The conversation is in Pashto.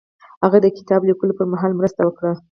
هغه د کتاب لیکلو پر مهال مرسته وکړه.